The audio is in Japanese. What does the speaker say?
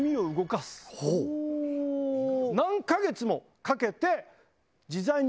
何か月もかけて。